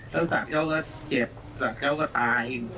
ถ้าสัตว์เก็บสัตว์ก็ตาย